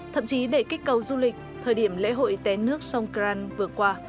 thậm chí để kích cầu du lịch thời điểm lễ hội té nước songkran vừa qua